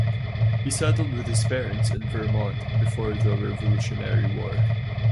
He settled with his parents in Vermont before the Revolutionary War.